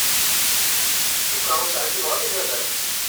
Cukkeɣ ur s-ɛǧibeɣ ara i baba-m.